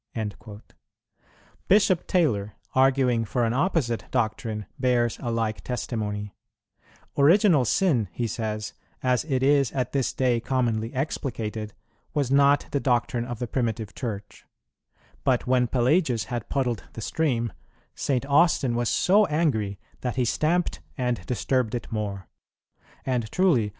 "[22:1] Bishop Taylor, arguing for an opposite doctrine, bears a like testimony: "Original Sin," he says, "as it is at this day commonly explicated, was not the doctrine of the primitive Church; but when Pelagius had puddled the stream, St. Austin was so angry that he stamped and disturbed it more. And truly